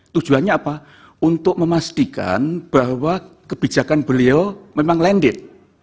tujuannya apa untuk memastikan bahwa kebijakan beliau memang landed